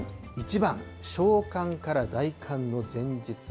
１番、小寒から大寒の前日。